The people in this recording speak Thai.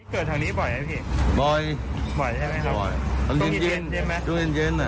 เกิดทางนี้บ่อยไหมพี่บ่อยบ่อยใช่ไหมครับบ่อยตรงที่เย็นเย็นไหมตรงที่เย็นเย็นอ่ะอ่า